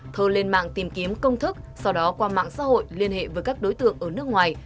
thơ lên mạng tìm kiếm công thức sau đó qua mạng xã hội liên hệ với các đối tượng ở nước ngoài